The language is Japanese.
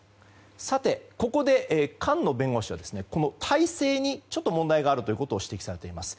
さて、ここで菅野弁護士は体制にちょっと問題があるということを指摘されています。